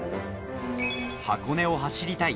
箱根を走りたい。